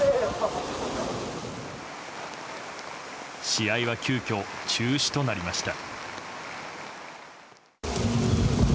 試合は急きょ中止となりました。